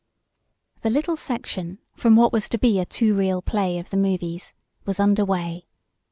The little section, from what was to be a two reel play of the movies, was under way.